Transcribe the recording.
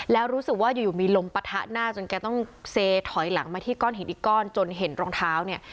แล้วรู้สึกว่าอยู่มีลมปะทะหน้าจนแกต้องเซถอยหลังมาที่ก้อนหินอีกก้อนจนเห็นรองเท้าเนี่ย